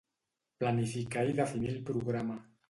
Planificar i definir el programa.